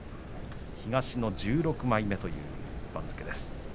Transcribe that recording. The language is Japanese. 東の１６枚目という番付です。